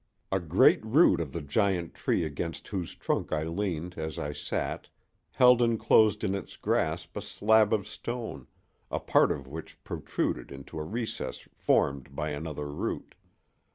A great root of the giant tree against whose trunk I leaned as I sat held inclosed in its grasp a slab of stone, a part of which protruded into a recess formed by another root.